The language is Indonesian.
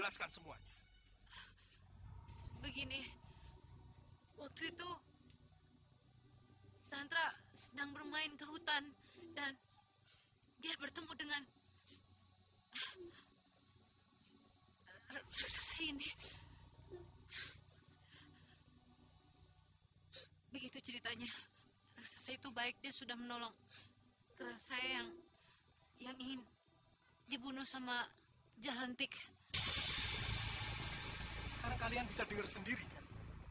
sekarang kalian bisa dengar sendiri kan